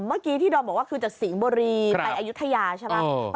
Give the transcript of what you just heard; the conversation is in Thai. เมื่อกี้ที่ดอมบอกว่าคือจากสิงห์บุรีไปอายุทยาใช่ไหม